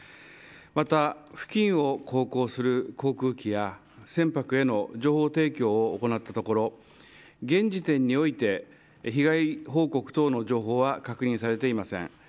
また、付近を航行する航空機や船舶への情報提供を行ったところ現時点において被害報告等の情報は確認されていません。